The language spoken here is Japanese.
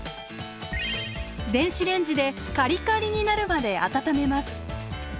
電子レンジでカリカリになるまで温めます。